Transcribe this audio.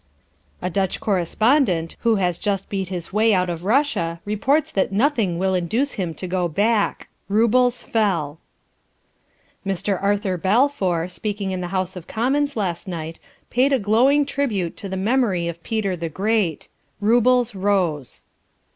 "A Dutch correspondent, who has just beat his way out of Russia, reports that nothing will induce him to go back. Roubles fell." "Mr. Arthur Balfour, speaking in the House of Commons last night, paid a glowing tribute to the memory of Peter the Great. Roubles rose."